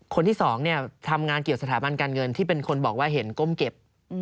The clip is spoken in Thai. คนที่๒ทำงานเกี่ยวสถาบันการเงินที่เป็นคนบอกว่าเห็นก้มเก็บ